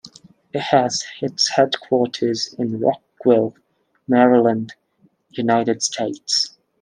It has its headquarters in Rockville, Maryland, United States.